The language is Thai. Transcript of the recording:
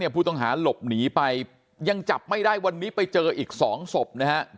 ผู้ต้องหาหลบหนีไปยังจับไม่ได้วันนี้ไปเจออีก๒ศพนะฮะ